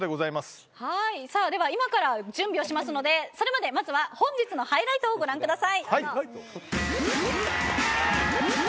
今から準備をしますのでそれまでまずは本日のハイライトをご覧ください。